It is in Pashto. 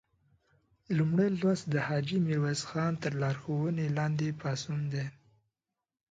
لومړی لوست د حاجي میرویس خان تر لارښوونې لاندې پاڅون دی.